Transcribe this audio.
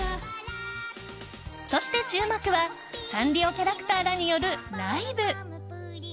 そして注目はサンリオキャラクターらによるライブ。